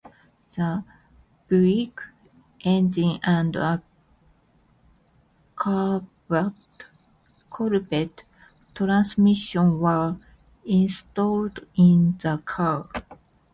The Buick engine and a Corvette transmission were installed in the car.